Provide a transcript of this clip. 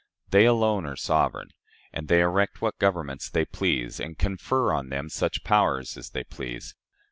They alone are sovereign, and they erect what governments they please, and confer on them such powers as they please.